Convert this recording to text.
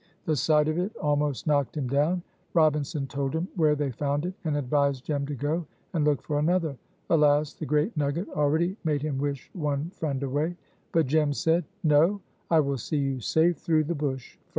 The sight of it almost knocked him down. Robinson told him where they found it, and advised Jem to go and look for another. Alas! the great nugget already made him wish one friend away. But Jem said: "No, I will see you safe through the bush first."